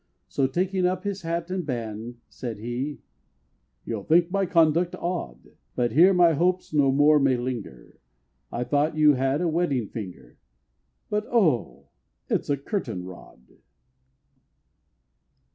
So taking up his hat and band, Said he, "You'll think my conduct odd But here my hopes no more may linger; I thought you had a wedding finger, But oh! it is a curtain rod!"